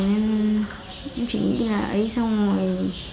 nên em chỉ nghĩ là ấy xong rồi